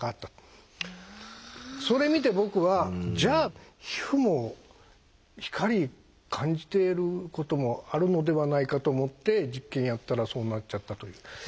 それ見て僕はじゃあ皮膚も光感じてることもあるのではないかと思って実験やったらそうなっちゃったという。